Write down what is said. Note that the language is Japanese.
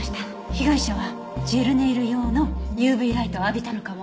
被害者はジェルネイル用のＵＶライトを浴びたのかも。